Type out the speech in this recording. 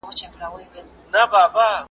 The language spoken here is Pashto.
غل په غره کي هم ځای نه لري `